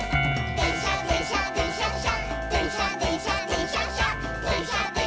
「でんしゃでんしゃでんしゃっしゃ」